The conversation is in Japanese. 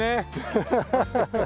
ハハハハ。